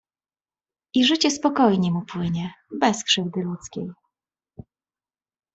I życie spokojnie mu płynie bez krzywdy ludzkiej.